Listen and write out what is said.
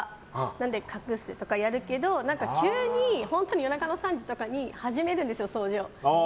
なので隠すとかやるけど急に本当に夜中の３時とかに始めるんです、掃除を。